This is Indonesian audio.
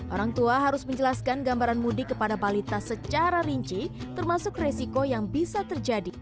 orang tua harus menjelaskan gambaran mudik kepada balita secara rinci termasuk resiko yang bisa terjadi